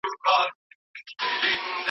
که نجونې مدیرانې شي نو کارمندان به نه ځوریږي.